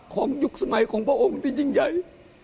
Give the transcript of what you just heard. ยุคสมัยของพระองค์ที่ยิ่งใหญ่